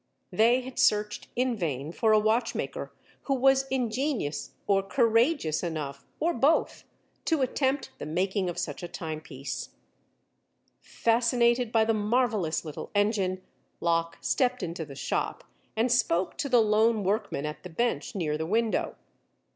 They had searched in vain for a watchmaker who was ingenious or courageous enough, or both, to attempt the making of such a timepiece. Fascinated by the marvelous little engine, Locke stepped into the shop and spoke to the lone workman at the bench near the window.